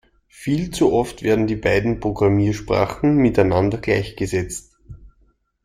Viel zu oft werden die beiden Programmiersprachen miteinander gleichgesetzt.